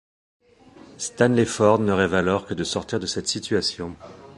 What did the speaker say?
Stanley Ford ne rêve alors que de sortir de cette situation.